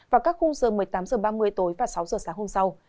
và các khung sơ một mươi tám h ba mươi tối và sáu h sáng hôm sau